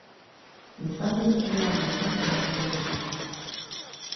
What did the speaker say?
Мешак дене пырля ала-могай кагаз лекте.